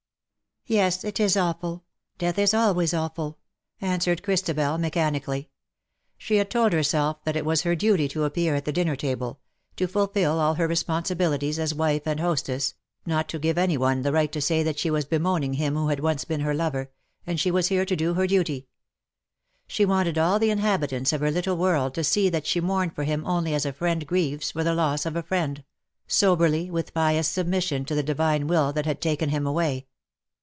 " Yes, it is awful ; Death is always awful," answered Christabel, mechanically. She had told herself that it was her duty to appear at the dinner table — to fulfil all her respon 'WOURS ON MONDAY, GOD's TO DAY." 27 sibilities as wife and hostess — not to give any one the right to say that she was bemoaning him who had once been her lover; and she was here to do her duty. She wanted all the inhabitants of her little world to see that she mourned for him only as a friend grieves for the loss of a friend — soberly, with pious submission to the Divine Will that had taken him away.